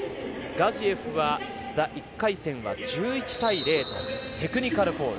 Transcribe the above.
ガジエフは１回戦は１１対０とテクニカルフォール。